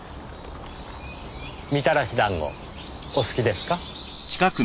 みたらし団子お好きですか？